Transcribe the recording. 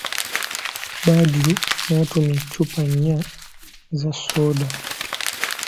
Badru n'atumya eccupa nnya eza sooda.